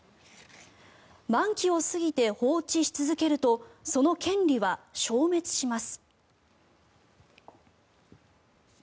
満期を過ぎて放置し続けるとその権利は消滅します。